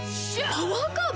パワーカーブ⁉